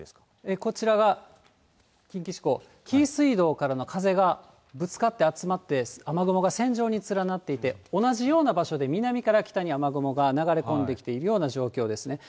こちらが近畿地方、紀伊水道からの風がぶつかって集まって雨雲が線状に連なっていて、同じような場所で、南から北に雨雲が流れ込んできているような状況ですね。